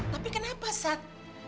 tapi kenapa sat